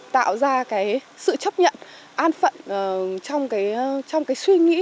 tạo ra cái sự chấp nhận an phận trong cái suy nghĩ